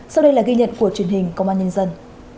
sau đây là ghi nhận của truyền hình công an nhân dân